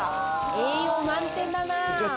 栄養満点だな。